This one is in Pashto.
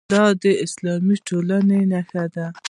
دا د اسلامي ټولنې نښه ده.